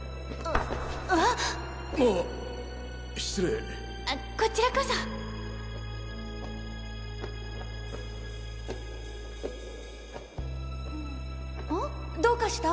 あっあっ失礼こちらこそどうかした？